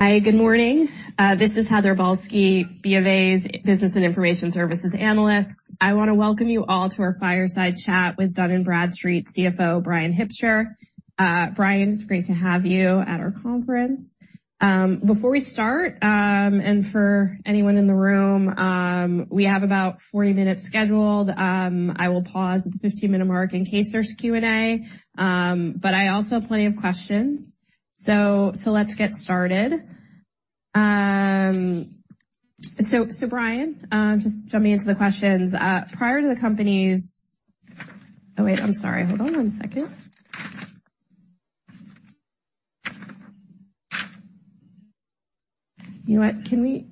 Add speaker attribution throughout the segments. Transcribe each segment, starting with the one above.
Speaker 1: Hi, good morning. This is Heather Balsky, BofA's Business and Information Services Analyst. I want to welcome you all to our fireside chat with Dun & Bradstreet CFO, Bryan Hipsher. Bryan, it's great to have you at our conference. Before we start, for anyone in the room, we have about 40 minutes scheduled. I will pause at the 15-minute mark in case there's Q&A. I also have plenty of questions, so let's get started. Bryan, just jumping into the questions, prior to the company's... Oh, wait, I'm sorry. Hold on one second. You know what? Can we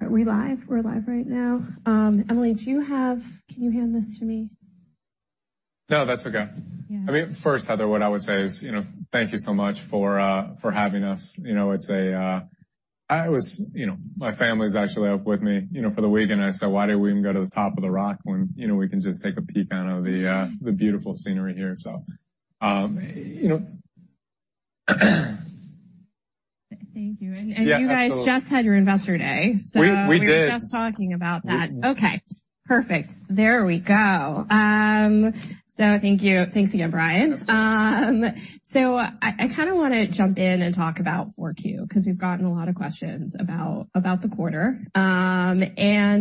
Speaker 1: Are we live? We're live right now. Emily, do you have Can you hand this to me?
Speaker 2: No, that's okay.
Speaker 1: Yeah.
Speaker 2: I mean, first, Heather, what I would say is, you know, thank you so much for having us. You know, it's a, I was, you know, my family's actually up with me, you know, for the weekend. I said, "Why don't we even go to the Top of the Rock when, you know, we can just take a peek out of the beautiful scenery here?" You know.
Speaker 1: Thank you.
Speaker 2: Yeah, absolutely.
Speaker 1: You guys just had your investor day.
Speaker 2: We did.
Speaker 1: We were just talking about that. Okay, perfect. There we go. Thank you. Thanks again, Bryan. I kinda wanna jump in and talk about Q4 because we've gotten a lot of questions about the quarter. Can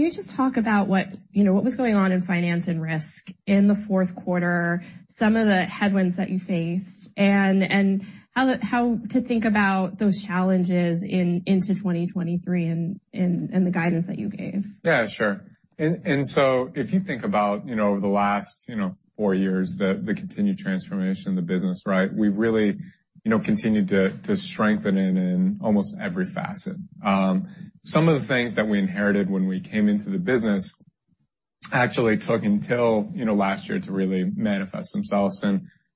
Speaker 1: you just talk about what, you know, what was going on in finance and risk in the fourth quarter, some of the headwinds that you faced and how to think about those challenges into 2023 and the guidance that you gave.
Speaker 2: Yeah, sure. If you think about, you know, over the last, you know, four years, the continued transformation of the business, right? We've really, you know, continued to strengthen it in almost every facet. Some of the things that we inherited when we came into the business actually took until, you know, last year to really manifest themselves.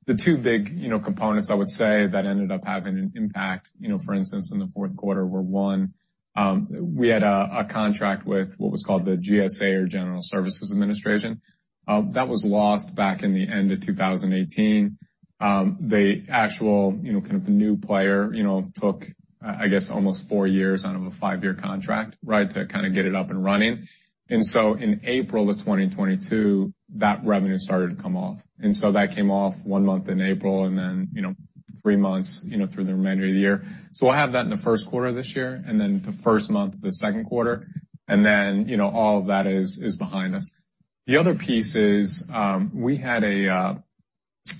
Speaker 2: The two big, you know, components I would say that ended up having an impact, you know, for instance, in the fourth quarter were, one, we had a contract with what was called the GSA or General Services Administration that was lost back in the end of 2018. The actual, you know, kind of the new player, you know, took, I guess almost four years out of a five-year contract, right, to kind of get it up and running. In April of 2022, that revenue started to come off. That came off one month in April and then, you know, three months, you know, through the remainder of the year. We'll have that in the first quarter of this year and then the first month of the second quarter. You know, all of that is behind us. The other piece is, we had an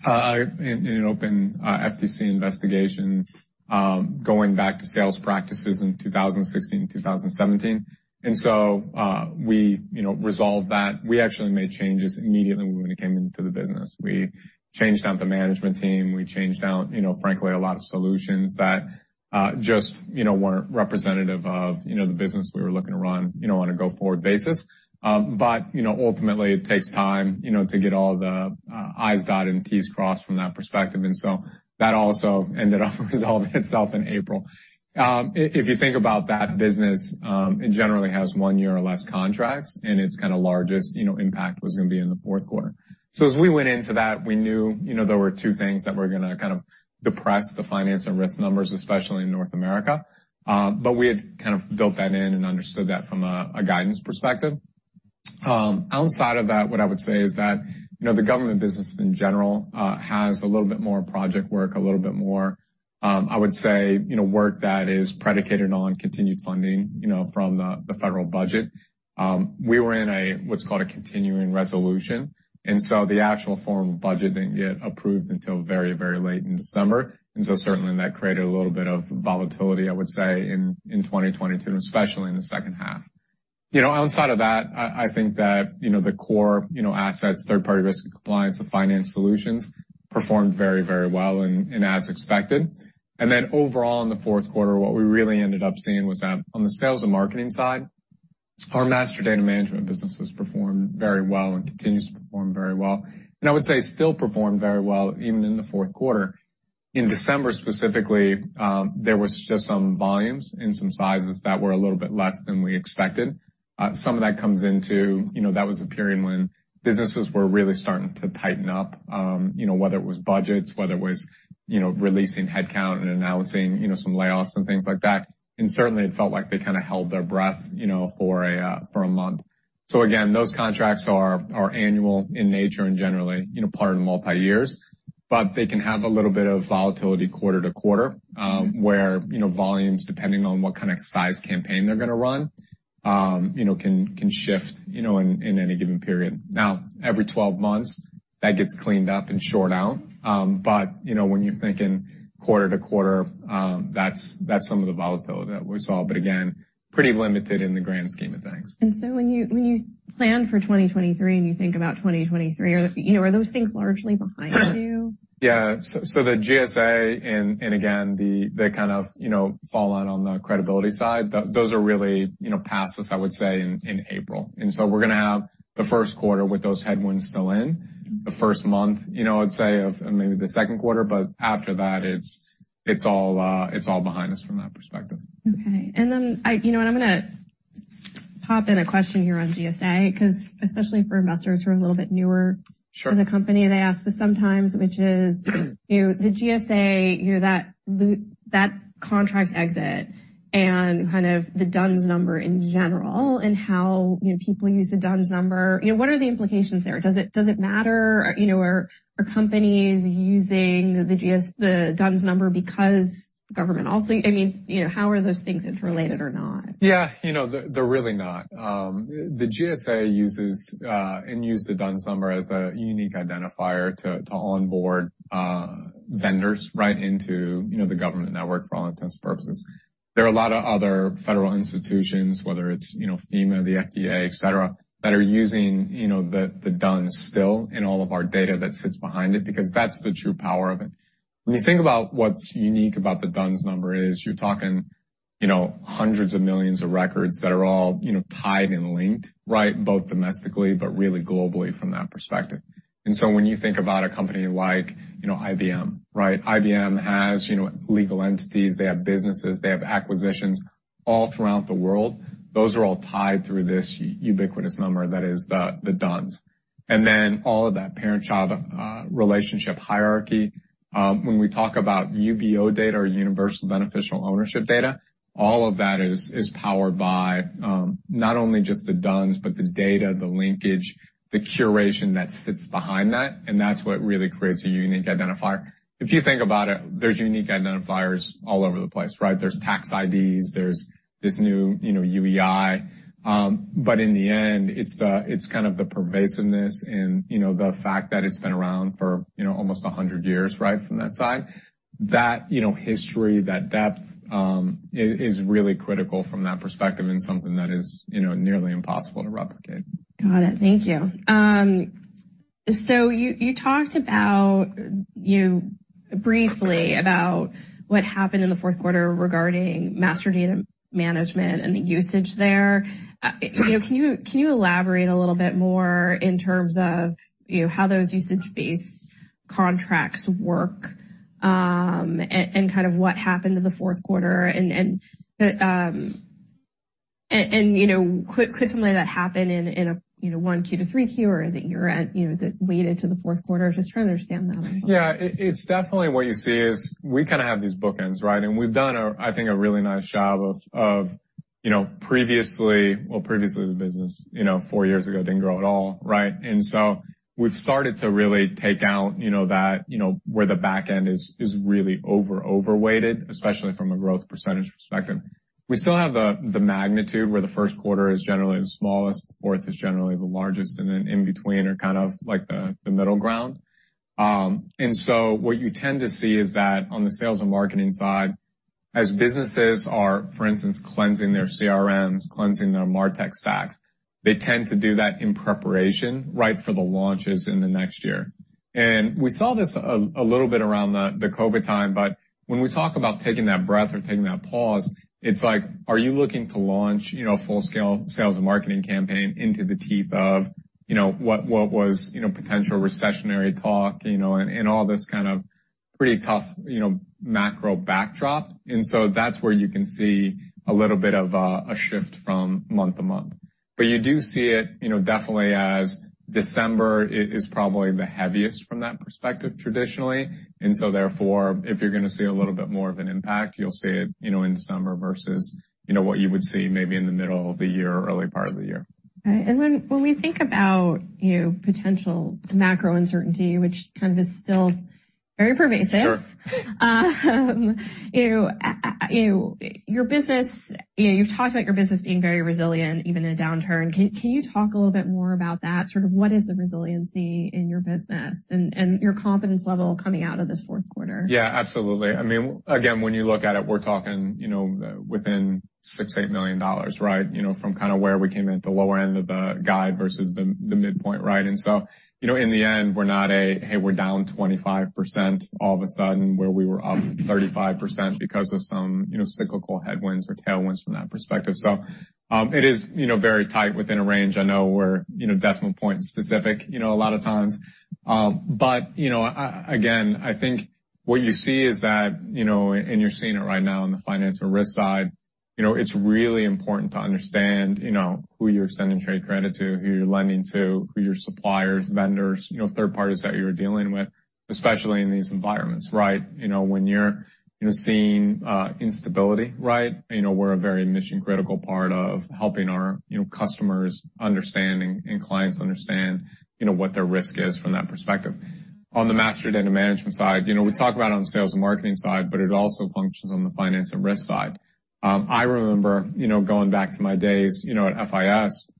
Speaker 2: open FTC investigation going back to sales practices in 2016, 2017. We, you know, resolved that. We actually made changes immediately when we came into the business. We changed out the management team, we changed out, you know, frankly, a lot of solutions that just, you know, weren't representative of, you know, the business we were looking to run, you know, on a go-forward basis. Ultimately it takes time, you know, to get all the I's dotted and T's crossed from that perspective. That also ended up resolving itself in April. If you think about that business, it generally has one year or less contracts, and its kind of largest, you know, impact was going to be in the fourth quarter. As we went into that, we knew, you know, there were two things that were going to kind of depress the finance and risk numbers, especially in North America. We had kind of built that in and understood that from a guidance perspective. Outside of that, what I would say is that, you know, the government business in general, has a little bit more project work, a little bit more, I would say, you know, work that is predicated on continued funding, you know, from the federal budget. We were in a what's called a continuing resolution, and so the actual formal budget didn't get approved until very, very late in December. Certainly that created a little bit of volatility, I would say in 2022, especially in the second half. You know, outside of that, I think that, you know, the core, you know, assets, third-party risk and compliance, the finance solutions performed very, very well and as expected. Overall in the fourth quarter, what we really ended up seeing was that on the sales and marketing side, our master data management businesses performed very well and continues to perform very well. I would say still performed very well even in the fourth quarter. In December specifically, there was just some volumes and some sizes that were a little bit less than we expected. Some of that comes into, you know, that was a period when businesses were really starting to tighten up, you know, whether it was budgets, whether it was, you know, releasing headcount and announcing, you know, some layoffs and things like that. Certainly, it felt like they kind of held their breath, you know, for a month. Again, those contracts are annual in nature and generally, you know, part of multiyears, but they can have a little bit of volatility quarter to quarter, where, you know, volumes, depending on what kind of size campaign they're going to run, you know, can shift, you know, in any given period. Every 12 months, that gets cleaned up and short out. You know, when you're thinking quarter to quarter, that's some of the volatility that we saw, but again, pretty limited in the grand scheme of things.
Speaker 1: when you plan for 2023 and you think about 2023, you know, are those things largely behind you?
Speaker 2: Yeah. The GSA and again, the kind of, you know, fallout on the credibility side, those are really, you know, past us, I would say in April. We're gonna have the first quarter with those headwinds still in.
Speaker 1: Mm-hmm.
Speaker 2: The first month, you know, I'd say of maybe the second quarter, but after that it's all behind us from that perspective.
Speaker 1: Okay. You know what, I'm gonna just pop in a question here on GSA, 'cause especially for investors who are a little bit newer-
Speaker 2: Sure.
Speaker 1: to the company, they ask this sometimes, which is, you know, the GSA, you know, that contract exit and kind of the D-U-N-S number in general and how, you know, people use the D-U-N-S number, you know, what are the implications there? Does it matter? You know, are companies using the D-U-N-S number because government also... I mean, you know, how are those things interrelated or not?
Speaker 2: Yeah, you know, they're really not. The GSA uses and used the D-U-N-S number as a unique identifier to onboard vendors right into, you know, the government network for all intents and purposes. There are a lot of other federal institutions, whether it's, you know, FEMA, the FDA, et cetera, that are using, you know, the D-U-N-S still in all of our data that sits behind it, because that's the true power of it. When you think about what's unique about the D-U-N-S number is you're talking, you know, hundreds of millions of records that are all, you know, tied and linked, right? Both domestically but really globally from that perspective. When you think about a company like, you know, IBM, right? IBM has, you know, legal entities, they have businesses, they have acquisitions all throughout the world. Those are all tied through this ubiquitous number that is the D-U-N-S. All of that parent-child relationship hierarchy, when we talk about UBO data or Ultimate Beneficial Ownership data, all of that is powered by not only just the D-U-N-S, but the data, the linkage, the curation that sits behind that, and that's what really creates a unique identifier. If you think about it, there's unique identifiers all over the place, right? There's tax IDs, there's this new, you know, UEI. In the end, it's kind of the pervasiveness and, you know, the fact that it's been around for, you know, almost 100 years, right from that side. History, that depth, is really critical from that perspective and something that is, you know, nearly impossible to replicate.
Speaker 1: Got it. Thank you. You talked about, you know, briefly about what happened in the fourth quarter regarding master data management and the usage there. You know, can you elaborate a little bit more in terms of, you know, how those usage-based contracts work, and kind of what happened in the fourth quarter and, you know, could something like that happen in a, you know, one Q to three Q, or is it year-end, you know, that lead into the fourth quarter? Just trying to understand that a little bit.
Speaker 2: Yeah. It's definitely what you see is we kind of have these bookends, right? We've done a, I think, a really nice job of, you know, previously the business, you know, 4 years ago didn't grow at all, right? We've started to really take out, you know, that, you know, where the back end is really overweighted, especially from a growth % perspective. We still have the magnitude where the first quarter is generally the smallest, the fourth is generally the largest, and then in between are kind of like the middle ground. What you tend to see is that on the sales and marketing side, as businesses are, for instance, cleansing their CRMs, cleansing their MarTech stacks, they tend to do that in preparation, right, for the launches in the next year. We saw this a little bit around the COVID time, but when we talk about taking that breath or taking that pause, it's like, are you looking to launch, you know, full scale sales and marketing campaign into the teeth of, you know, what was, you know, potential recessionary talk, you know, and all this kind of pretty tough, you know, macro backdrop. That's where you can see a little bit of a shift from month-to-month. You do see it, you know, definitely as December is probably the heaviest from that perspective traditionally. Therefore, if you're gonna see a little bit more of an impact, you'll see it, you know, in summer versus, you know, what you would see maybe in the middle of the year or early part of the year.
Speaker 1: Right. When we think about, you know, potential macro uncertainty, which kind of is still very pervasive-
Speaker 2: Sure.
Speaker 1: You know, you know, your business, you know, you've talked about your business being very resilient, even in a downturn. Can you talk a little bit more about that? Sort of what is the resiliency in your business and your confidence level coming out of this fourth quarter?
Speaker 2: Yeah, absolutely. I mean, again, when you look at it, we're talking, you know, within $6 million-$8 million, right? You know, from kind of where we came in at the lower end of the guide versus the midpoint, right? In the end, we're not a, hey, we're down 25% all of a sudden where we were up 35% because of some, you know, cyclical headwinds or tailwinds from that perspective. It is, you know, very tight within a range. I know we're, you know, decimal point specific, you know, a lot of times. You know, again, I think what you see is that, you know, and you're seeing it right now on the financial risk side, you know, it's really important to understand, you know, who you're extending trade credit to, who you're lending to, who your suppliers, vendors, you know, third parties that you're dealing with, especially in these environments, right? You know, when you're, you know, seeing instability, right? You know, we're a very mission-critical part of helping our, you know, customers understand and clients understand, you know, what their risk is from that perspective. On the master data management side, you know, we talk about it on the sales and marketing side, but it also functions on the finance and risk side. I remember, you know, going back to my days, you know, at FIS,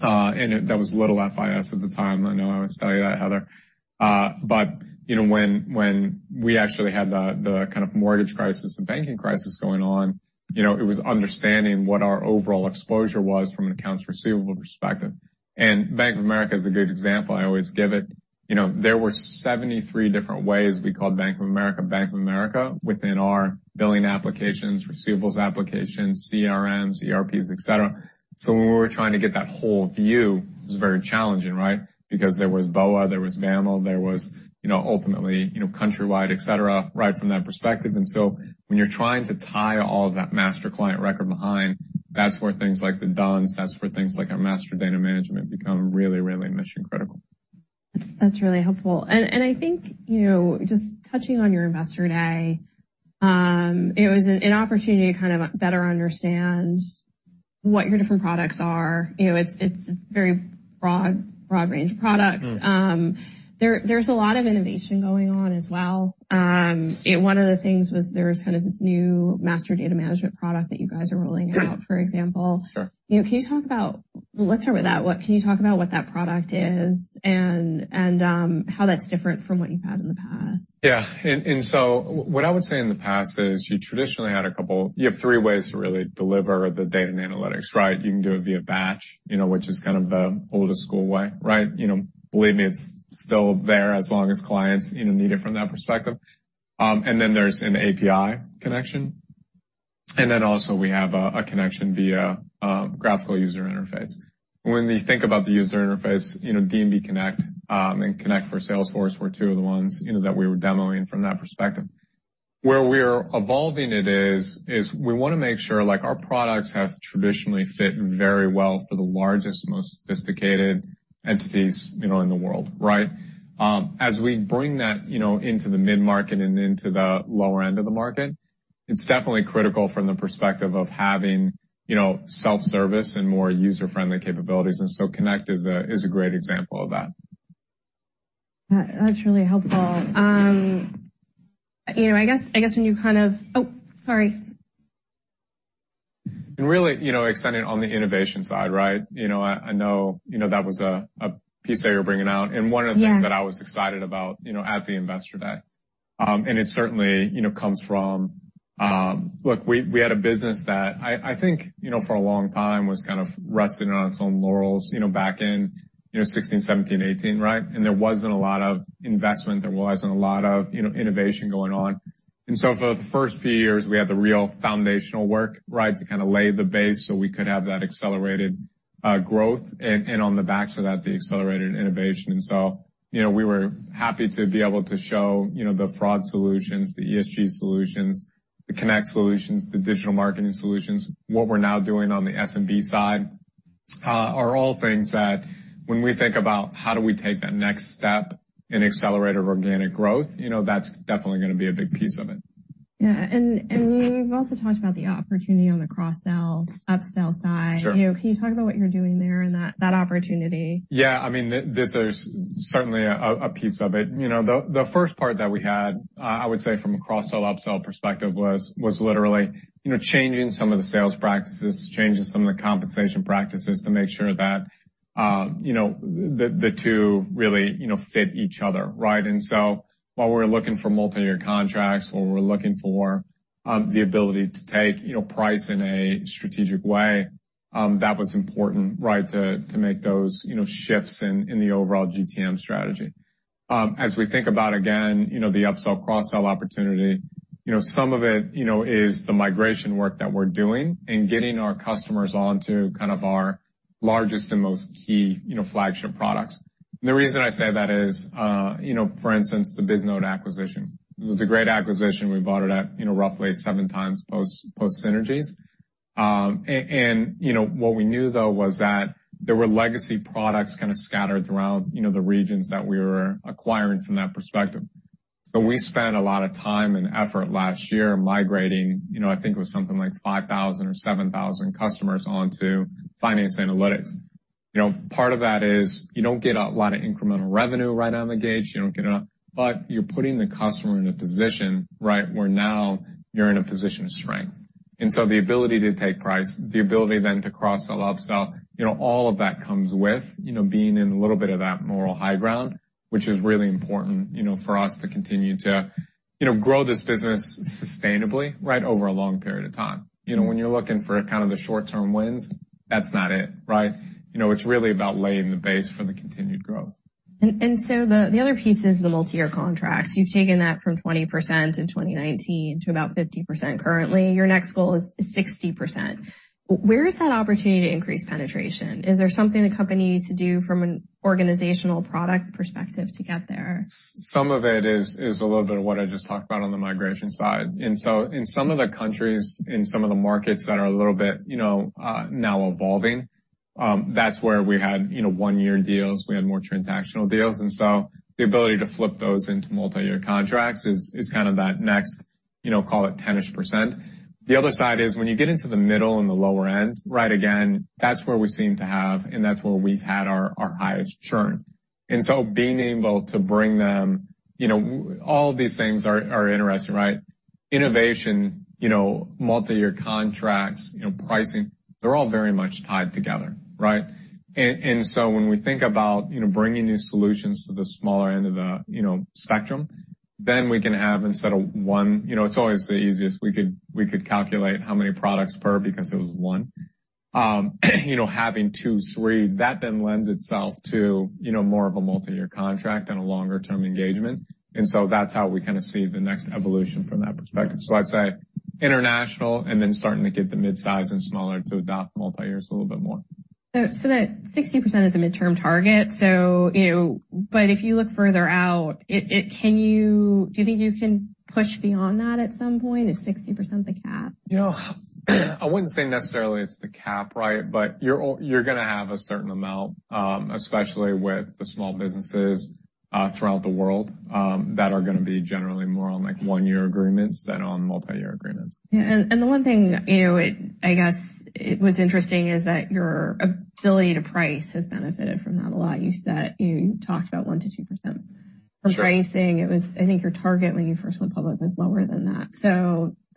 Speaker 2: that was little FIS at the time. I know I always tell you that, Heather. But you know, when we actually had the kind of mortgage crisis and banking crisis going on, you know, it was understanding what our overall exposure was from an accounts receivable perspective. Bank of America is a good example. I always give it. You know, there were 73 different ways we called Bank of America, Bank of America within our billing applications, receivables applications, CRMs, ERPs, et cetera. When we were trying to get that whole view, it was very challenging, right? Because there was BOA, there was BAML, there was, you know, ultimately, you know, Countrywide, et cetera, right from that perspective. When you're trying to tie all of that master client record behind, that's where things like the D-U-N-S, that's where things like our master data management become really, really mission-critical.
Speaker 1: That's really helpful. I think, you know, just touching on your investor day, it was an opportunity to kind of better understand what your different products are. You know, it's a very broad range of products. There's a lot of innovation going on as well. One of the things was there was kind of this new master data management product that you guys are rolling out, for example.
Speaker 2: Sure.
Speaker 1: You know. Let's start with that. Can you talk about what that product is and how that's different from what you've had in the past?
Speaker 2: Yeah. What I would say in the past is you traditionally had a couple... You have three ways to really deliver the data and analytics, right? You can do it via batch, you know, which is kind of the older school way, right? You know, believe me, it's still there as long as clients, you know, need it from that perspective. There's an API connection, also we have a connection via graphical user interface. When you think about the user interface, you know, D&B Connect, and Connect for Salesforce were two of the ones, you know, that we were demo-ing from that perspective. Where we're evolving it is we wanna make sure, like, our products have traditionally fit very well for the largest, most sophisticated entities, you know, in the world, right? As we bring that, you know, into the mid-market and into the lower end of the market, it's definitely critical from the perspective of having, you know, self-service and more user-friendly capabilities. Connect is a, is a great example of that.
Speaker 1: That's really helpful. you know, I guess Oh, sorry.
Speaker 2: really, you know, extending on the innovation side, right? You know, I know, you know, that was a piece that you're bringing out.
Speaker 1: Yeah.
Speaker 2: One of the things that I was excited about, you know, at the investor day, and it certainly, you know, comes from. Look, we had a business that I think, you know, for a long time was kind of resting on its own laurels, you know, back in, you know, 2016, 2017, 2018, right? There wasn't a lot of investment, there wasn't a lot of, you know, innovation going on. For the first few years, we had the real foundational work, right? To kind of lay the base so we could have that accelerated growth and on the back so that the accelerated innovation. You know, we were happy to be able to show, you know, the fraud solutions, the ESG solutions, the Connect solutions, the digital marketing solutions. What we're now doing on the SMB side, are all things that when we think about how do we take that next step in accelerated organic growth, you know, that's definitely gonna be a big piece of it.
Speaker 1: Yeah. We've also talked about the opportunity on the cross-sell, up-sell side.
Speaker 2: Sure.
Speaker 1: You know, can you talk about what you're doing there in that opportunity?
Speaker 2: Yeah. I mean, this is certainly a piece of it. You know, the first part that we had, I would say from a cross-sell, up-sell perspective was literally, you know, changing some of the sales practices, changing some of the compensation practices to make sure that, you know, the two really, you know, fit each other, right? While we're looking for multi-year contracts, while we're looking for the ability to take, you know, price in a strategic way, that was important, right, to make those, you know, shifts in the overall GTM strategy. As we think about, again, you know, the up-sell, cross-sell opportunity, you know, some of it, you know, is the migration work that we're doing and getting our customers onto kind of our largest and most key, you know, flagship products. The reason I say that is, you know, for instance, the Bisnode acquisition. It was a great acquisition. We bought it at, you know, roughly 7 times post synergies. You know, what we knew though was that there were legacy products kind of scattered throughout, you know, the regions that we were acquiring from that perspective. We spent a lot of time and effort last year migrating, you know, I think it was something like 5,000 or 7,000 customers onto D&B Finance Analytics. You know, part of that is you don't get a lot of incremental revenue right out of the gate. You're putting the customer in a position, right, where now you're in a position of strength. The ability to take price, the ability then to cross-sell, up-sell, you know, all of that comes with, you know, being in a little bit of that moral high ground, which is really important, you know, for us to continue to, you know, grow this business sustainably, right, over a long period of time. You know, when you're looking for kind of the short-term wins, that's not it, right? You know, it's really about laying the base for the continued growth.
Speaker 1: The other piece is the multi-year contracts. You've taken that from 20% in 2019 to about 50% currently. Your next goal is 60%. Where is that opportunity to increase penetration? Is there something the company needs to do from an organizational product perspective to get there?
Speaker 2: Some of it is a little bit of what I just talked about on the migration side. In some of the countries, in some of the markets that are a little bit now evolving, that's where we had 1-year deals, we had more transactional deals. The ability to flip those into multi-year contracts is kind of that next, call it 10-ish%. The other side is when you get into the middle and the lower end, right, again, that's where we seem to have and that's where we've had our highest churn. Being able to bring them, all of these things are interesting, right? Innovation, multi-year contracts, pricing, they're all very much tied together, right? When we think about, you know, bringing new solutions to the smaller end of the, you know, spectrum, then we can have instead of one. You know, it's always the easiest. We could calculate how many products per because it was one. You know, having two, three, that then lends itself to, you know, more of a multi-year contract and a longer term engagement. That's how we kind of see the next evolution from that perspective. I'd say international and then starting to get the midsize and smaller to adopt multi-years a little bit more.
Speaker 1: So that 60% is a midterm target. You know, but if you look further out, do you think you can push beyond that at some point? Is 60% the cap?
Speaker 2: You know, I wouldn't say necessarily it's the cap, right? You're gonna have a certain amount, especially with the small businesses throughout the world, that are gonna be generally more on like one-year agreements than on multi-year agreements.
Speaker 1: Yeah. The one thing, you know, I guess it was interesting is that your ability to price has benefited from that a lot. You said you talked about 1%-2%.
Speaker 2: Sure.
Speaker 1: Pricing, it was, I think your target when you first went public was lower than that.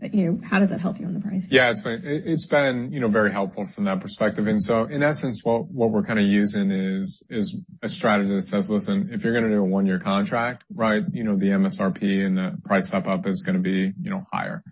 Speaker 1: you know, how does that help you on the price?
Speaker 2: Yeah. It's been, it's been, you know, very helpful from that perspective. In essence, what we're kinda using is a strategy that says, "Listen, if you're gonna do a one-year contract, right, you know, the MSRP and the price step-up is gonna be, you know, higher.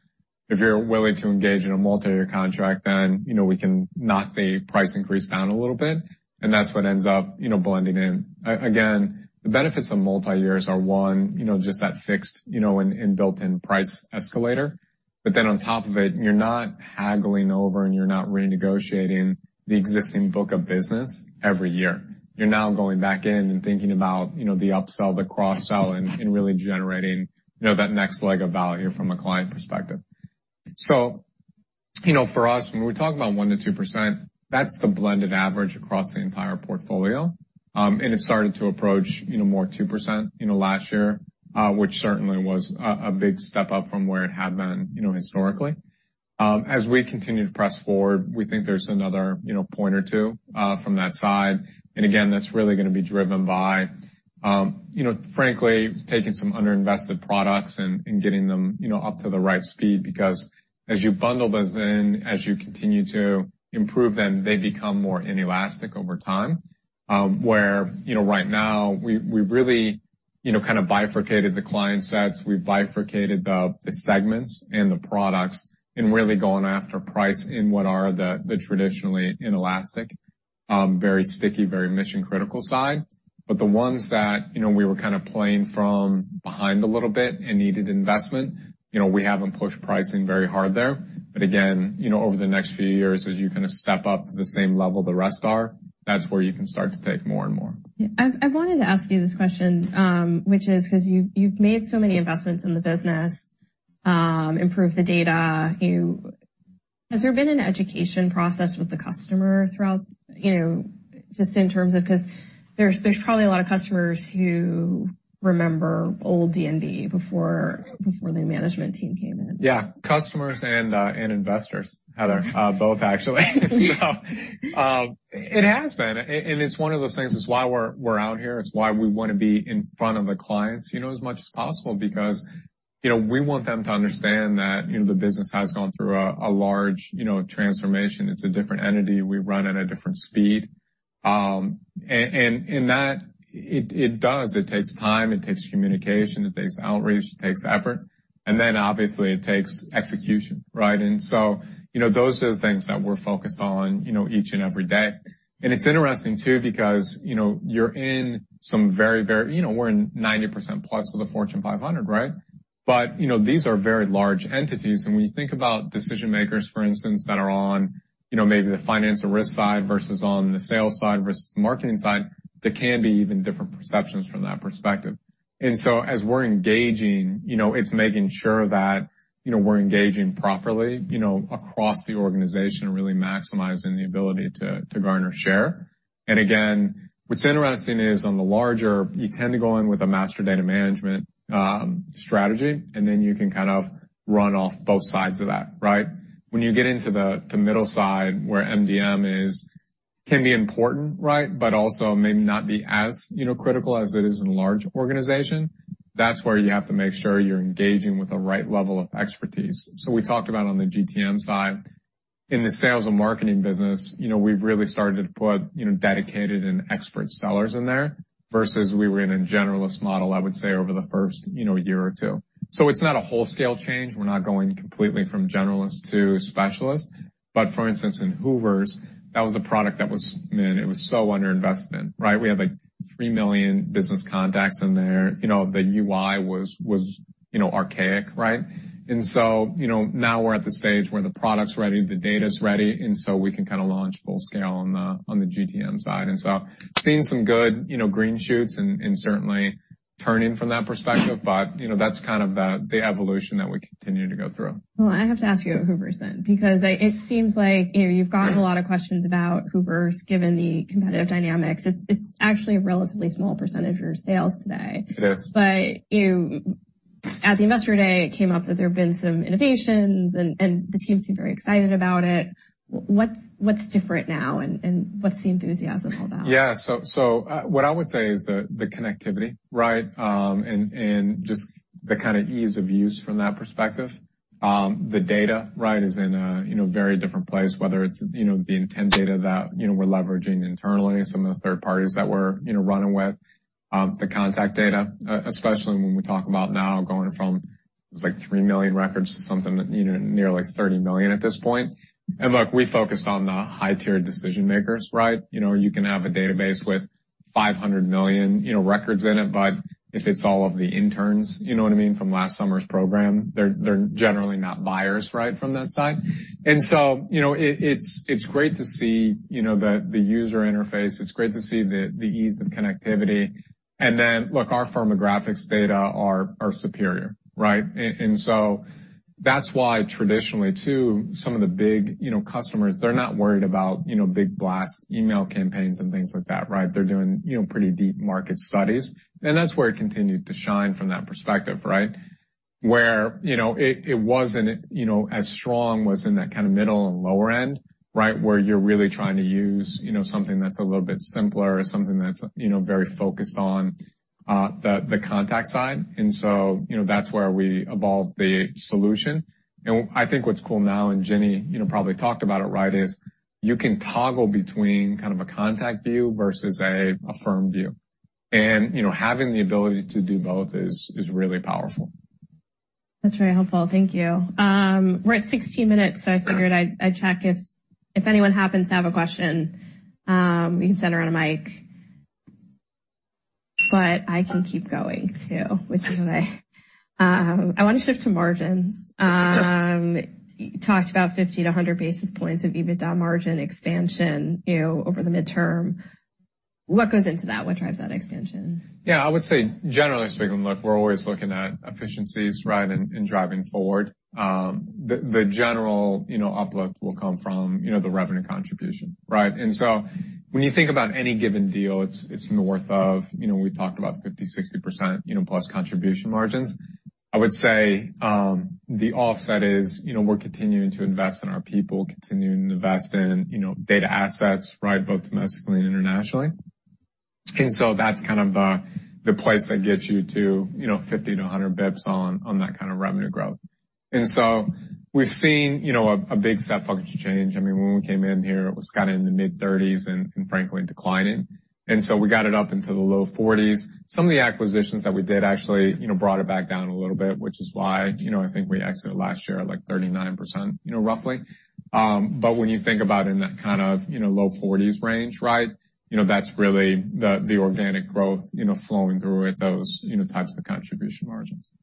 Speaker 2: If you're willing to engage in a multiyear contract, then, you know, we can knock the price increase down a little bit," That's what ends up, you know, blending in. Again, the benefits of multiyears are, one, you know, just that fixed, you know, and built-in price escalator. On top of it, you're not haggling over and you're not renegotiating the existing book of business every year. You're now going back in and thinking about, you know, the upsell, the cross-sell, and really generating, you know, that next leg of value from a client perspective. You know, for us, when we talk about 1%-2%, that's the blended average across the entire portfolio. And it started to approach, you know, more 2%, you know, last year, which certainly was a big step up from where it had been, you know, historically. As we continue to press forward, we think there's another, you know, point or two from that side. Again, that's really gonna be driven by, you know, frankly taking some underinvested products and getting them, you know, up to the right speed because as you bundle those in, as you continue to improve them, they become more inelastic over time. Where, you know, right now we've really, you know, kind of bifurcated the client sets. We've bifurcated the segments and the products and really going after price in what are the traditionally inelastic, very sticky, very mission-critical side. The ones that, you know, we were kind of playing from behind a little bit and needed investment, you know, we haven't pushed pricing very hard there. Again, you know, over the next few years, as you kind of step up to the same level the rest are, that's where you can start to take more and more.
Speaker 1: Yeah. I've wanted to ask you this question, because you've made so many investments in the business, improved the data. Has there been an education process with the customer throughout, you know, just in terms of? Because there's probably a lot of customers who remember old D&B before the management team came in.
Speaker 2: Yeah. Customers and investors, Heather, both actually. It has been. And it's one of those things, it's why we're out here, it's why we wanna be in front of the clients, you know, as much as possible because, you know, we want them to understand that, you know, the business has gone through a large, you know, transformation. It's a different entity. We run at a different speed. And in that it does, it takes time, it takes communication, it takes outreach, it takes effort, and then obviously it takes execution, right? Those are the things that we're focused on, you know, each and every day. It's interesting too because, you know, you're in some very... You know, we're in 90% plus of the Fortune 500, right? You know, these are very large entities, and when you think about decision-makers, for instance, that are on, you know, maybe the finance or risk side versus on the sales side versus the marketing side, there can be even different perceptions from that perspective. As we're engaging, you know, it's making sure that, you know, we're engaging properly, you know, across the organization and really maximizing the ability to garner share. Again, what's interesting is on the larger, you tend to go in with a master data management strategy, and then you can kind of run off both sides of that, right? When you get into the middle side where MDM is, can be important, right? Also may not be as, you know, critical as it is in a large organization. That's where you have to make sure you're engaging with the right level of expertise. We talked about on the GTM side, in the sales and marketing business, you know, we've really started to put, you know, dedicated and expert sellers in there versus we were in a generalist model, I would say, over the first, you know, one or two. It's not a wholesale change. We're not going completely from generalist to specialist. For instance, in Hoovers, that was the product that was, man, it was so underinvested, right? We had like 3 million business contacts in there. You know, the UI was, you know, archaic, right? Now we're at the stage where the product's ready, the data's ready, and so we can kinda launch full scale on the, on the GTM side. Seeing some good, you know, green shoots and certainly turning from that perspective, but, you know, that's kind of the evolution that we continue to go through.
Speaker 1: I have to ask you about Hoovers then, because it seems like, you know, you've gotten a lot of questions about Hoovers given the competitive dynamics. It's actually a relatively small % of your sales today.
Speaker 2: It is.
Speaker 1: You at the Investor Day, it came up that there have been some innovations and the team seemed very excited about it. What's, what's different now and what's the enthusiasm all about?
Speaker 2: Yeah. What I would say is the connectivity, right? Just the kinda ease of use from that perspective. The data, right, is in a, you know, very different place, whether it's, you know, the intent data that, you know, we're leveraging internally, some of the third parties that we're, you know, running with. The contact data, especially when we talk about now going from, it was like 3 million records to something, you know, near like 30 million at this point. Look, we focus on the high-tier decision makers, right? You know, you can have a database with 500 million, you know, records in it, but if it's all of the interns, you know what I mean, from last summer's program, they're generally not buyers, right, from that side. You know, it's, it's great to see, you know, the user interface, it's great to see the ease of connectivity. Look, our firmographics data are superior, right? That's why traditionally too, some of the big, you know, customers, they're not worried about, you know, big blast email campaigns and things like that, right? They're doing, you know, pretty deep market studies. That's where it continued to shine from that perspective, right? Where, you know, it wasn't, you know, as strong was in that kind of middle and lower end, right, where you're really trying to use, you know, something that's a little bit simpler or something that's, you know, very focused on the contact side. You know, that's where we evolved the solution. I think what's cool now, and Jenny, you know, probably talked about it, right, is you can toggle between kind of a contact view versus a firm view. You know, having the ability to do both is really powerful.
Speaker 1: That's very helpful. Thank you. We're at 16 minutes, so I figured I'd check if anyone happens to have a question, we can send around a mic. I can keep going too, which is what I want to shift to margins. You talked about 50-100 basis points of EBITDA margin expansion, you know, over the midterm. What goes into that? What drives that expansion?
Speaker 2: Yeah, I would say generally speaking, look, we're always looking at efficiencies, right, in driving forward. The general, you know, uplift will come from, you know, the revenue contribution, right? And so when you think about any given deal, it's north of, you know, we talked about 50%-60%, you know, plus contribution margins. I would say, the offset is, you know, we're continuing to invest in our people, continuing to invest in, you know, data assets, right, both domestically and internationally. And so that's kind of the place that gets you to, you know, 50-100 BPS on that kind of revenue growth. And so we've seen, you know, a big step function change. I mean, when we came in here, it was kind of in the mid-30s and frankly, declining. We got it up into the low 40s. Some of the acquisitions that we did actually, you know, brought it back down a little bit, which is why, you know, I think we exited last year at like 39%, you know, roughly. When you think about in that kind of, you know, low 40s range, right, you know, that's really the organic growth, you know, flowing through at those, you know, types of contribution margins.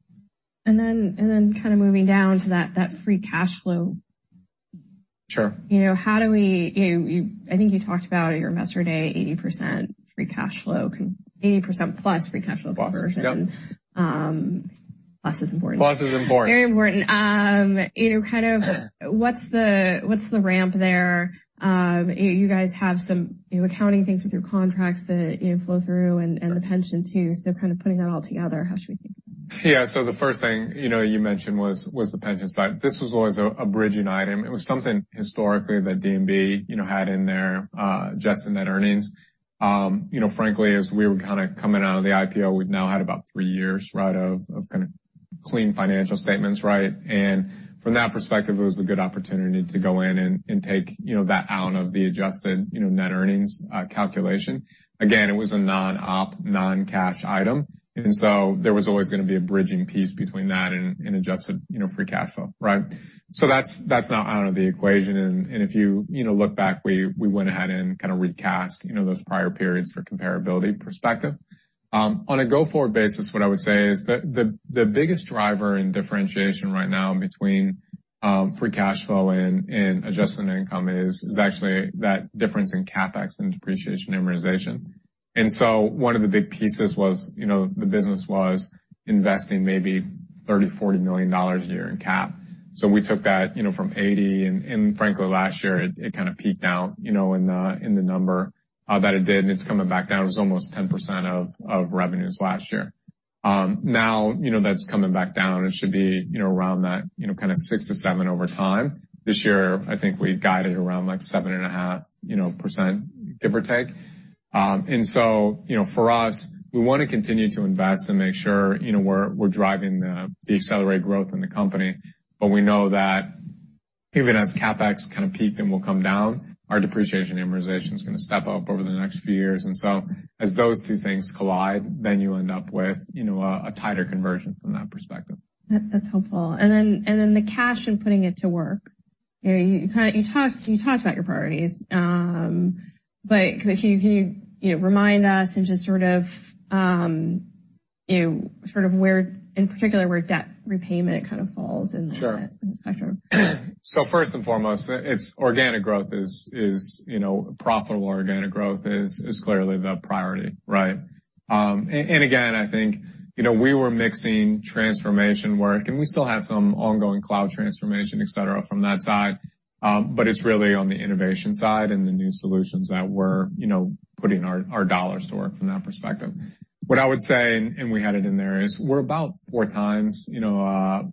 Speaker 1: Kind of moving down to that free cash flow.
Speaker 2: Sure.
Speaker 1: You know, I think you talked about at your Investor Day, 80% plus free cash flow conversion.
Speaker 2: Yep.
Speaker 1: Plus is important.
Speaker 2: Plus is important.
Speaker 1: Very important. you know, what's the ramp there? you guys have some, you know, accounting things with your contracts that, you know, flow through and the pension too. Kind of putting that all together, how should we think about that?
Speaker 2: Yeah. The first thing, you know, you mentioned was the pension side. This was always a bridging item. It was something historically that D&B, you know, had in their Adjusted Net Earnings. You know, frankly, as we were kind of coming out of the IPO, we've now had about 3 years, right, of kind of clean financial statements, right? From that perspective, it was a good opportunity to go in and take, you know, that out of the adjusted, you know, Net Earnings calculation. Again, it was a non-op, non-cash item, and so there was always gonna be a bridging piece between that and adjusted, you know, free cash flow, right? That's, that's now out of the equation. If you know, look back, we went ahead and kind of recast, you know, those prior periods for comparability perspective. On a go-forward basis, what I would say is the biggest driver in differentiation right now between free cash flow and adjusted net income is actually that difference in CapEx and depreciation & amortization. One of the big pieces was, you know, the business was investing maybe $30 million-$40 million a year in CapEx. We took that, you know, from $80 million, and frankly last year it kind of peaked out, you know, in the number that it did, and it's coming back down. It was almost 10% of revenues last year. Now, you know, that's coming back down. It should be, you know, around that, you know, kind of 6-7 over time. This year I think we guided around like 7.5%, you know, give or take. For us, we wanna continue to invest and make sure, you know, we're driving the accelerated growth in the company. We know that even as CapEx kind of peaked and will come down, our depreciation & amortization is gonna step up over the next few years. As those two things collide, then you end up with, you know, a tighter conversion from that perspective.
Speaker 1: That's helpful. Then, and then the cash and putting it to work. You know, you talked about your priorities. Can you know, remind us and just sort of, you know, sort of where in particular where debt repayment kind of falls in the.
Speaker 2: Sure.
Speaker 1: In the spectrum.
Speaker 2: First and foremost, it's organic growth is, you know, profitable organic growth is clearly the priority, right? Again, I think, you know, we were mixing transformation work, and we still have some ongoing cloud transformation, et cetera, from that side. It's really on the innovation side and the new solutions that we're, you know, putting our dollars to work from that perspective. What I would say, we had it in there, is we're about 4 times, you know,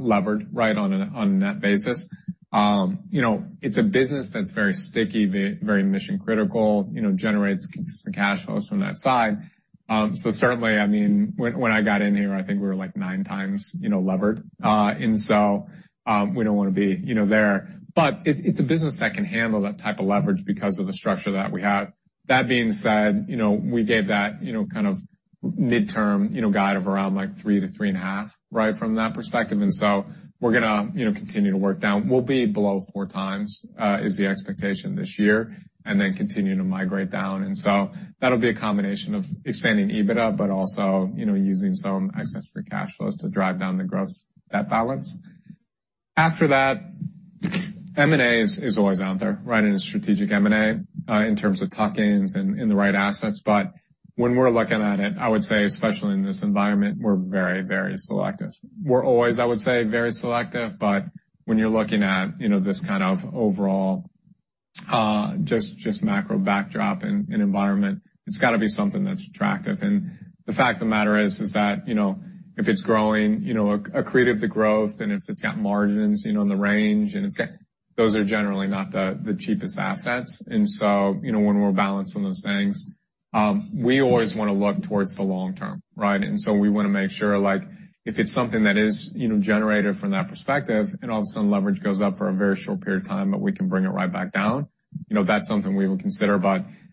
Speaker 2: levered, right, on a net basis. You know, it's a business that's very sticky, very mission-critical, you know, generates consistent cash flows from that side. Certainly, I mean, when I got in here, I think we were like 9 times, you know, levered. We don't wanna be, you know, there. It's a business that can handle that type of leverage because of the structure that we have. That being said, you know, we gave that, you know, kind of midterm, you know, guide of around like 3 to 3.5, right, from that perspective. We're gonna, you know, continue to work down. We'll be below 4 times is the expectation this year, and then continue to migrate down. That'll be a combination of expanding EBITDA, but also, you know, using some excess free cash flows to drive down the gross debt balance. After that. M&A is always out there, right, in a strategic M&A in terms of tuck-ins and the right assets. When we're looking at it, I would say especially in this environment, we're very, very selective. We're always, I would say, very selective, but when you're looking at, you know, this kind of overall, just macro backdrop and environment, it's gotta be something that's attractive. The fact of the matter is that, you know, if it's growing, you know, accretive to growth and if it's got margins, you know, in the range, and it's got... Those are generally not the cheapest assets. You know, when we're balancing those things, we always wanna look towards the long term, right? We wanna make sure, like, if it's something that is, you know, generative from that perspective and all of a sudden leverage goes up for a very short period of time, but we can bring it right back down, you know, that's something we would consider.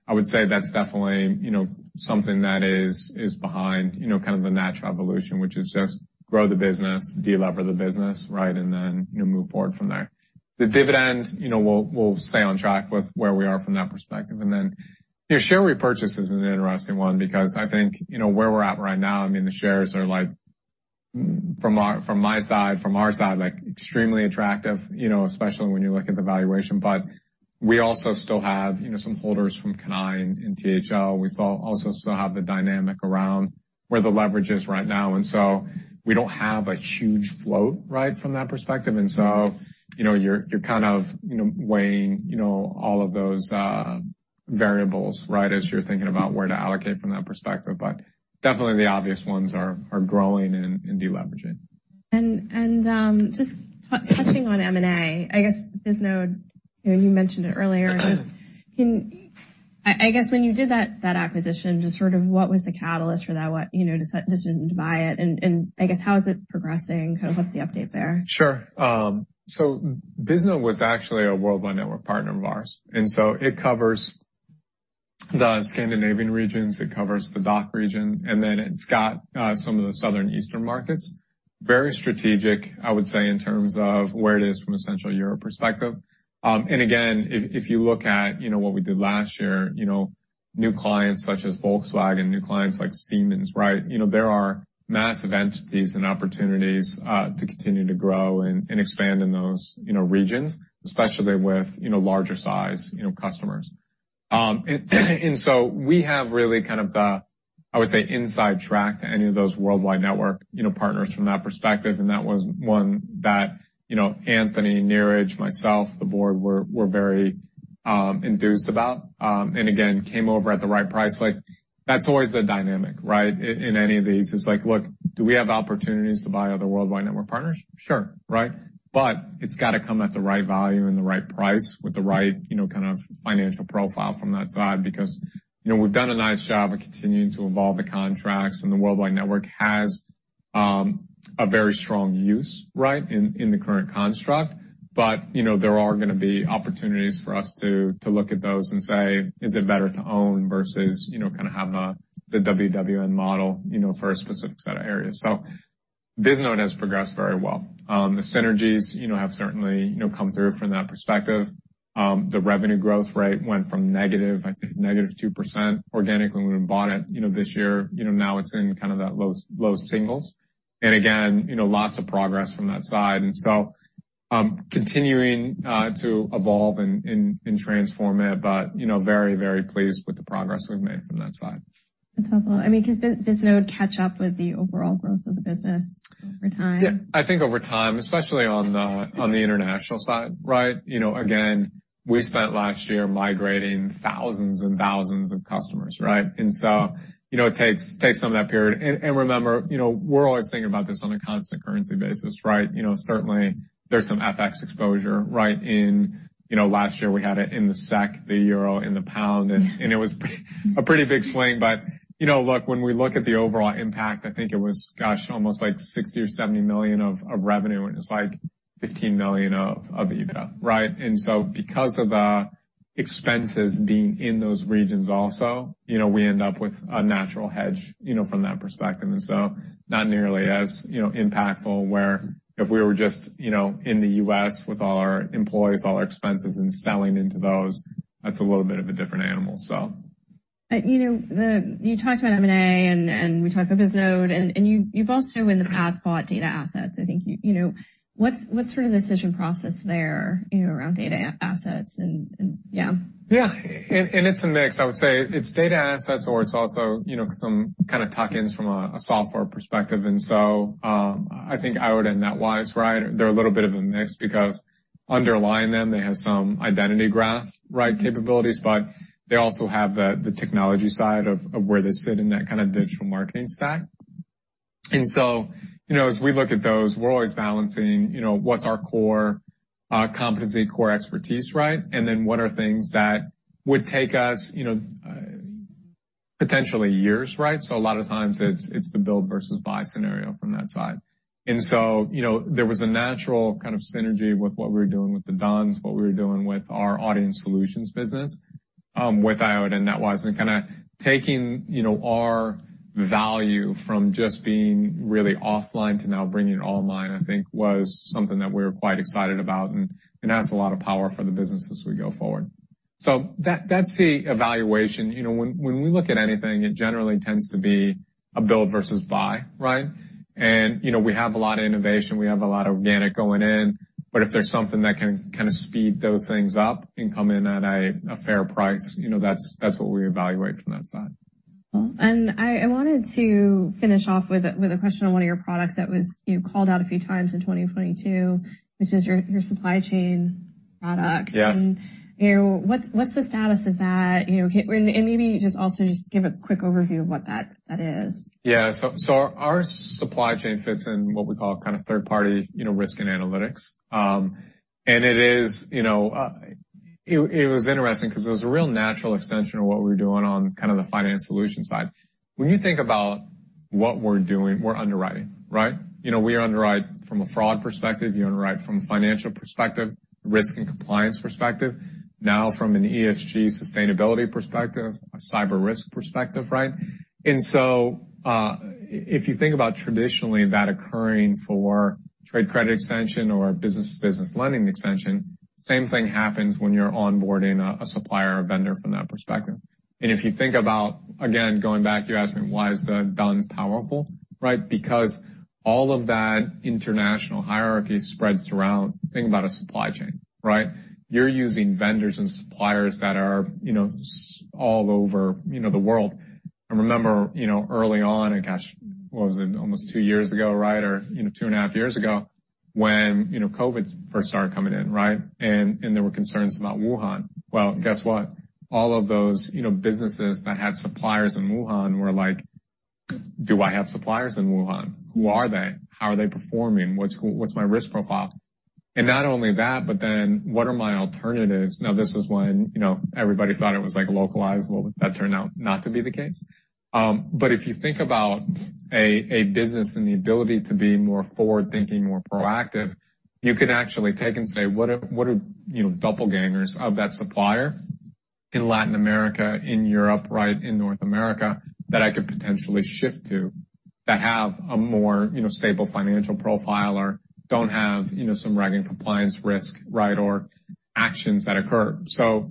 Speaker 2: I would say that's definitely, you know, something that is behind, you know, kind of the natural evolution, which is just grow the business, de-lever the business, right, and then, you know, move forward from there. The dividend, you know, we'll stay on track with where we are from that perspective. Then, you know, share repurchase is an interesting one because I think, you know, where we're at right now, I mean, the shares are like from our, from my side, from our side, like extremely attractive, you know, especially when you look at the valuation. We also still have, you know, some holders from Cannae and THL. We also still have the dynamic around where the leverage is right now, so we don't have a huge float, right, from that perspective. You know, you're kind of, you know, weighing, you know, all of those variables, right, as you're thinking about where to allocate from that perspective. Definitely the obvious ones are growing and de-leveraging.
Speaker 1: Just touching on M&A, I guess Bisnode, you know, you mentioned it earlier. I guess when you did that acquisition, just sort of what was the catalyst for that? What, you know, did you buy it? I guess how is it progressing? Kind of what's the update there?
Speaker 2: Sure. Bisnode was actually a Worldwide Network partner of ours, and so it covers the Scandinavian regions, it covers the DACH region, and then it's got some of the Southeastern markets. Very strategic, I would say, in terms of where it is from a Central Europe perspective. Again, if you look at, you know, what we did last year, you know, new clients such as Volkswagen, new clients like Siemens, right? You know, there are massive entities and opportunities to continue to grow and expand in those, you know, regions, especially with, you know, larger size, you know, customers. We have really kind of the, I would say, inside track to any of those Worldwide Network, you know, partners from that perspective, and that was one that, you know, Anthony, Neeraj, myself, the board were very enthused about, again, came over at the right price. Like, that's always the dynamic, right? In any of these. It's like, look, do we have opportunities to buy other Worldwide Network partners? Sure, right? It's gotta come at the right value and the right price with the right, you know, kind of financial profile from that side. You know, we've done a nice job of continuing to evolve the contracts and the Worldwide Network has a very strong use, right, in the current construct. You know, there are gonna be opportunities for us to look at those and say, "Is it better to own versus, you know, kind of have a, the WWN model, you know, for a specific set of areas?" Bisnode has progressed very well. The synergies, you know, have certainly, you know, come through from that perspective. The revenue growth rate went from negative, I think negative 2% organically when we bought it, you know, this year. You know, now it's in kind of that low singles. Again, you know, lots of progress from that side. Continuing to evolve and transform it, but, you know, very, very pleased with the progress we've made from that side.
Speaker 1: That's helpful. I mean, can Bisnode catch up with the overall growth of the business over time?
Speaker 2: Yeah. I think over time, especially on the international side, right? You know, again, we spent last year migrating thousands and thousands of customers, right? You know, it takes some of that period. Remember, you know, we're always thinking about this on a constant currency basis, right? You know, certainly there's some FX exposure, right? You know, last year we had it in the SEC, the euro, in the pound, and it was a pretty big swing. You know, look, when we look at the overall impact, I think it was, gosh, almost like $60 million or $70 million of revenue, and it's like $15 million of EBITA, right? Because of the expenses being in those regions also, you know, we end up with a natural hedge, you know, from that perspective. Not nearly as, you know, impactful where if we were just, you know, in the U.S. with all our employees, all our expenses and selling into those, that's a little bit of a different animal, so.
Speaker 1: You know, you talked about M&A and we talked about Bisnode, and you've also in the past bought data assets, I think, you know. What's sort of the decision process there, you know, around data assets and yeah?
Speaker 2: Yeah. It's a mix. I would say it's data assets or it's also, you know, some kind of tuck-ins from a software perspective. I think I would in NetWise, right? They're a little bit of a mix because underlying them, they have some identity graph, right, capabilities, but they also have the technology side of where they sit in that kind of digital marketing stack. As we look at those, we're always balancing, you know, what's our core competency, core expertise, right? Then what are things that would take us, you know, potentially years, right? A lot of times it's the build versus buy scenario from that side. You know, there was a natural kind of synergy with what we were doing with the D-U-N-S, what we were doing with our Audience Solutions business, with Eyeota and NetWise and kinda taking, you know, our value from just being really offline to now bringing it online, I think was something that we're quite excited about and adds a lot of power for the business as we go forward. That's the evaluation. You know, when we look at anything, it generally tends to be a build versus buy, right? You know, we have a lot of innovation, we have a lot of organic going in, but if there's something that can kind of speed those things up and come in at a fair price, you know, that's what we evaluate from that side.
Speaker 1: Well, I wanted to finish off with a, with a question on one of your products that was, you know, called out a few times in 2022, which is your supply chain product.
Speaker 2: Yes.
Speaker 1: You know, what's the status of that? You know, maybe just also just give a quick overview of what that is.
Speaker 2: Yeah. Our supply chain fits in what we call kind of third-party, you know, risk and analytics. It is, you know, it was interesting 'cause it was a real natural extension of what we were doing on kind of the finance solution side. When you think about what we're doing, we're underwriting, right? You know, we underwrite from a fraud perspective, you underwrite from a financial perspective, risk and compliance perspective. Now from an ESG sustainability perspective, a cyber risk perspective, right? If you think about traditionally that occurring for trade credit extension or business-to-business lending extension, same thing happens when you're onboarding a supplier or vendor from that perspective. If you think about, again, going back, you asked me why is the D-U-N-S powerful, right? Because all of that international hierarchy spreads around. Think about a supply chain, right? You're using vendors and suppliers that are, you know, all over, you know, the world. I remember, you know, early on, and gosh, what was it? Almost two years ago, right? Or, you know, two and a half years ago, when, you know, COVID first started coming in, right? There were concerns about Wuhan. Guess what? All of those, you know, businesses that had suppliers in Wuhan were like, "Do I have suppliers in Wuhan? Who are they? How are they performing? What's my risk profile?" Not only that, but then what are my alternatives? This is when, you know, everybody thought it was like localized. That turned out not to be the case. If you think about a business and the ability to be more forward-thinking, more proactive, you could actually take and say, what are, you know, doppelgangers of that supplier in Latin America, in Europe, right, in North America that I could potentially shift to that have a more, you know, stable financial profile or don't have, you know, some reg and compliance risk, right, or actions that occur.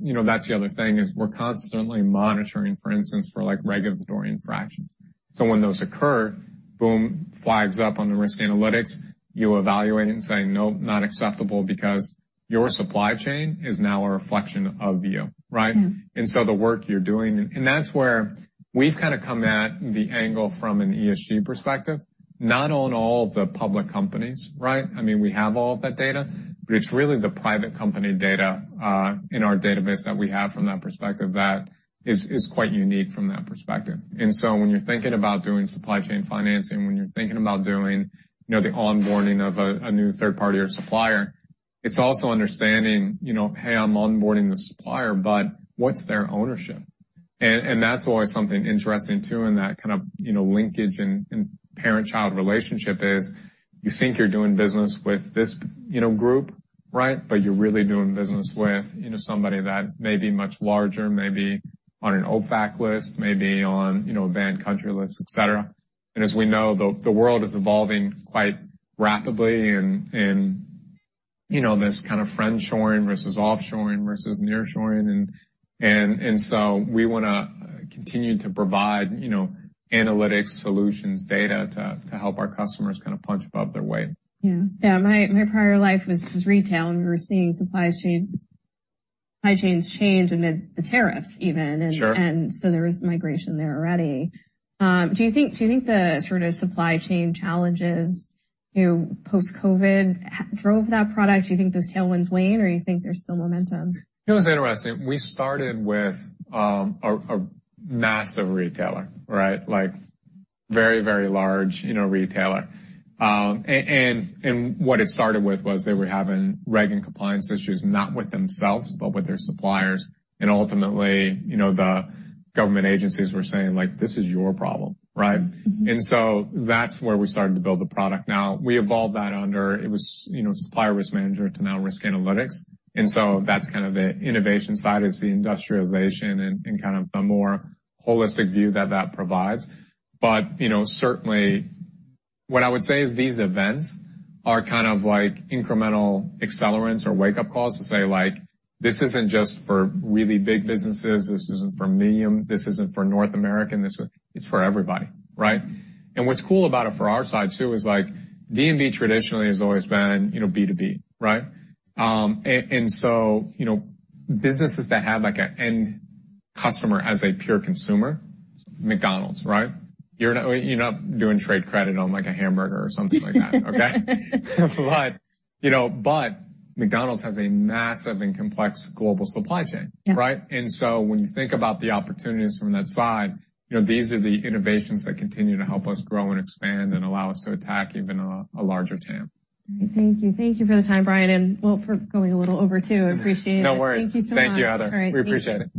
Speaker 2: You know, that's the other thing, is we're constantly monitoring, for instance, for like regulatory infractions. When those occur, boom, flags up on the risk analytics. You evaluate it and say, "No, not acceptable," because your supply chain is now a reflection of you, right?
Speaker 1: Mm-hmm.
Speaker 2: The work you're doing. That's where we've kind of come at the angle from an ESG perspective, not on all the public companies, right? I mean, we have all of that data, but it's really the private company data, in our database that we have from that perspective that is quite unique from that perspective. When you're thinking about doing supply chain financing, when you're thinking about doing, you know, the onboarding of a new third party or supplier, it's also understanding, you know, "Hey, I'm onboarding the supplier, but what's their ownership?" That's always something interesting too, in that kind of, you know, linkage and parent-child relationship is you think you're doing business with this, you know, group, right? You're really doing business with, you know, somebody that may be much larger, may be on an OFAC list, may be on, you know, a banned country list, et cetera. As we know, the world is evolving quite rapidly and, you know, this kind of friendshoring versus offshoring versus nearshoring. We wanna continue to provide, you know, analytics, solutions, data to help our customers kind of punch above their weight.
Speaker 1: Yeah. Yeah. My prior life was retail. We were seeing supply chains change amid the tariffs even.
Speaker 2: Sure.
Speaker 1: There was migration there already. Do you think the sort of supply chain challenges, you know, post-COVID drove that product? Do you think those tailwinds wane or you think there's still momentum?
Speaker 2: It was interesting. We started with a massive retailer, right? Like very, very large, you know, retailer. What it started with was they were having reg and compliance issues, not with themselves, but with their suppliers. Ultimately, you know, the government agencies were saying like, "This is your problem," right?
Speaker 1: Mm-hmm.
Speaker 2: That's where we started to build the product. Now we evolved that under, it was, you know, Supplier Risk Manager to now Risk Analytics. That's kind of the innovation side. It's the industrialization and kind of the more holistic view that provides. You know, certainly what I would say is these events are kind of like incremental accelerants or wake-up calls to say like, this isn't just for really big businesses. This isn't for medium, this isn't for North American. It's for everybody, right? What's cool about it from our side too is like D&B traditionally has always been, you know, B2B, right? You know, businesses that have like an end customer as a pure consumer, McDonald's, right? You're not doing trade credit on like a hamburger or something like that. Okay? you know, but McDonald's has a massive and complex global supply chain.
Speaker 1: Yeah.
Speaker 2: Right? When you think about the opportunities from that side, you know, these are the innovations that continue to help us grow and expand and allow us to attack even a larger TAM.
Speaker 1: All right. Thank you. Thank you for the time, Bryan, and well, for going a little over too. Appreciate it.
Speaker 2: No worries.
Speaker 1: Thank you so much.
Speaker 2: Thank you, Heather.
Speaker 1: All right. Thank you.
Speaker 2: We appreciate it.